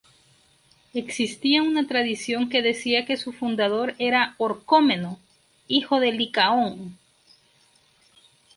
Existía una tradición que decía que su fundador era Orcómeno, hijo de Licaón.